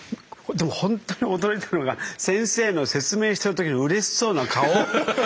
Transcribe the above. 本当に驚いたのが先生の説明してる時のうれしそうな顔。